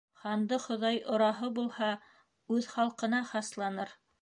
Ханды Хоҙай ораһы булһа, үҙ халҡына хасланыр